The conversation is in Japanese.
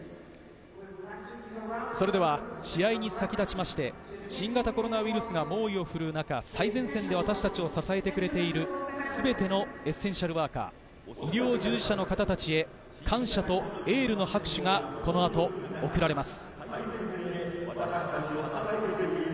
それでは試合に先立ちまして、新型コロナウイルスが猛威をふるう中、最前線で私たちを支えてくれている、全てのエッセンシャルワーカー、医療従事者の方たちへ感謝とエールの拍手がこの後、贈られます。